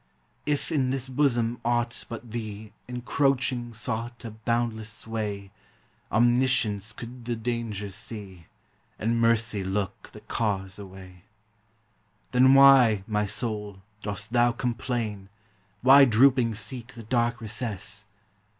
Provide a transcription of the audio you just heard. If in this bosom aught but thee Encroaching sought a boundless sway, Omniscience could the danger see, And Mercy look the cause away. DEATH: IMMORTALITY: HEAVEN. 369 Then why, my soul, dost thou complain, Why drooping seek the dark recess?